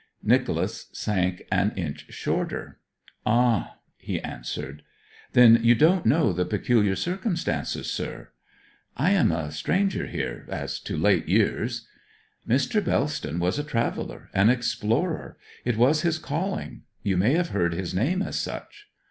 Nicholas sank an inch shorter. 'Ah,' he answered. 'Then you don't know the peculiar circumstances, sir?' 'I am a stranger here as to late years.' 'Mr. Bellston was a traveller an explorer it was his calling; you may have heard his name as such?'